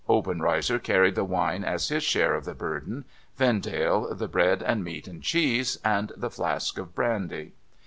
Obenreizer carried the wine as his share of the burden ; Vendale, the bread and meat and cheese, and the flask of brandy.